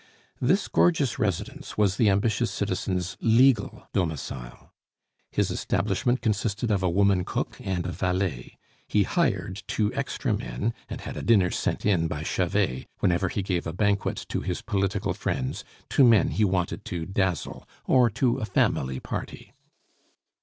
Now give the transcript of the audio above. This gorgeous residence was the ambitious citizen's legal domicile. His establishment consisted of a woman cook and a valet; he hired two extra men, and had a dinner sent in by Chevet, whenever he gave a banquet to his political friends, to men he wanted to dazzle or to a family party.